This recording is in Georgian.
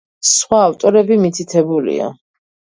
სხვა ავტორები მითითებულია.